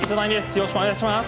よろしくお願いします。